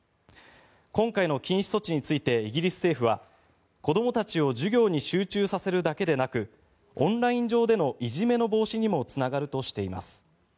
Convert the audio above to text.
今回の禁止措置についてイギリス政府は子どもたちを授業に集中させるだけでなくオンライン上でのいじめの防止にもつながるとしています。